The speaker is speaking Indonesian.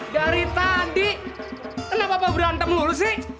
dari tadi kenapa lo berantem lo sih